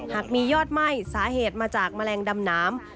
หากมียอดไหม้สาเหตุมาจากแมลงดำน้ำ